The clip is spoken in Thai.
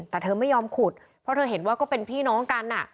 แต่เธอไม่ยอมขุดเพราะเธอเห็นว่าก็เป็นพี่น้องกัน